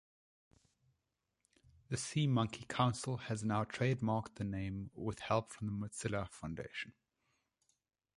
The SeaMonkey Council has now trademarked the name with help from the Mozilla Foundation.